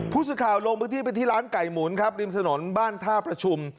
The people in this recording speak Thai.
ผู้สุดข่าวลงพระพิทธิไปที่ร้านไก่หมุนลิมสนบ้านธ่าประชุม